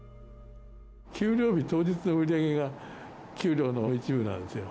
給料日当日の売り上げが、給料の一部なんですよ。